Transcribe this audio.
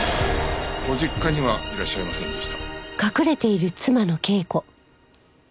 ご実家にはいらっしゃいませんでしたが。